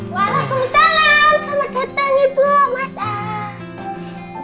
waalaikumsalam selamat datang ibu mas a